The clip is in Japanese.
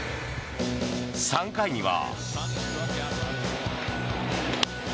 ３回には。